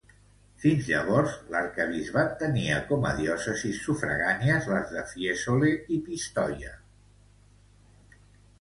Fins llavors l'arquebisbat tenia com a diòcesis sufragànies les de Fiesole i Pistoia.